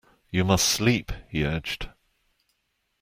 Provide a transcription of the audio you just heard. You must sleep, he urged.